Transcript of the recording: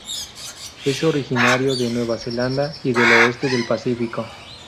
Es originario de Nueva Zelanda y del oeste del Pacífico.